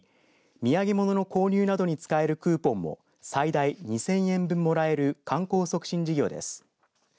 土産物の購入などに使えるクーポンも最大２０００円分もらえる観光促進事業です。